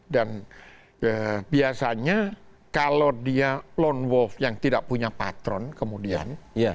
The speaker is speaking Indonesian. dan biasanya kalau dia lone wolf yang tidak punya patron kemudian